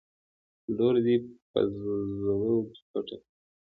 لور دې په زرو کې پټه کړه.